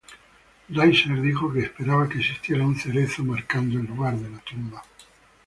Reiser dijo que esperaba que existiera un cerezo marcando el lugar de la tumba.